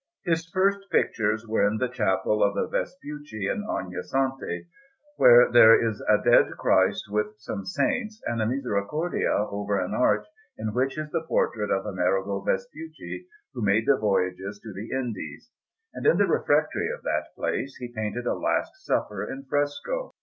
His first pictures were in the Chapel of the Vespucci in Ognissanti, where there is a Dead Christ with some saints, and a Misericordia over an arch, in which is the portrait of Amerigo Vespucci, who made the voyages to the Indies; and in the refectory of that place he painted a Last Supper in fresco.